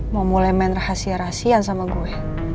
mau mulai main rahasia rahasiaan sama gue